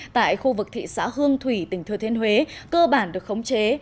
tại khu vực thị xã hương thủy tỉnh thừa thiên huế cơ bản được khống chế